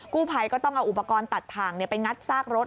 ผู้ภัยก็ต้องเอาอุปกรณ์ตัดถ่างไปงัดซากรถ